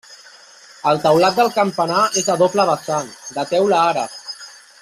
El teulat del campanar és a doble vessant, de teula àrab.